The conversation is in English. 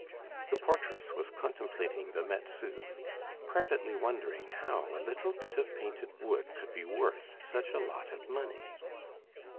The portress was contemplating the Metzu, privately wondering how a little bit of painted wood could be worth such a lot of money.